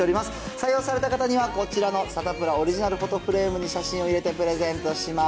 採用された方には、こちらのサタプラオリジナルフォトフレームに写真を入れてプレゼントします。